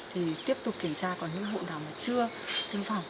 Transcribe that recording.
thì tiếp tục kiểm tra còn những hộ nào mà chưa tiêm phòng